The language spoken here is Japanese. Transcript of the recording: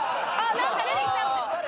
何か出てきちゃってる。